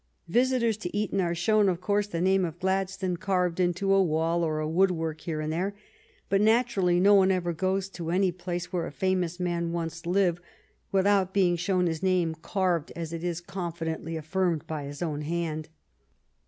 Visitors to Eton are shown, of course, the name of Gladstone carved into a wall or a woodwork here and there. But, naturally, no one ever goes to any place where a famous man once lived without being 12 THE STORY OF GLADSTONE'S LIFE shown his name carved, as it is confidently af firmed, by his own hand.